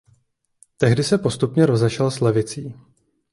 Tehdy se postupně rozešel s levicí.